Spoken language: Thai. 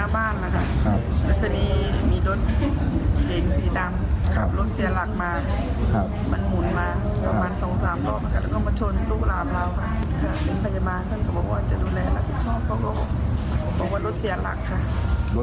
บอกว่ารถเสียหลักค่ะ